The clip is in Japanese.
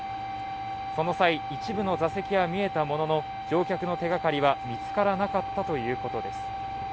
その際、一部の座席は見えたものの乗客の手がかりは見つからなかったということです。